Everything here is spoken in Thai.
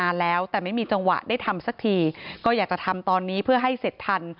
แล้วแต่ไม่มีจังหวะได้ทำสักทีก็อยากจะทำตอนนี้เพื่อให้เสร็จทัน